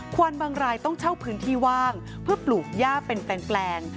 ควันบางรายต้องเช่าพื้นที่ว่างเพื่อปลูกย่าเป็นแปลง